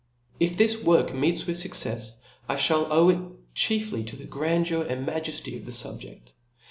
If this work meets with fuccefs, I (hall owe It chiefly to the grandeur and maj«fty of the fubje^ .